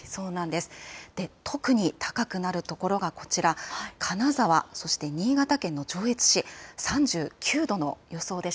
特に高くなるところがこちら金沢、新潟の上越市３９度の予想です。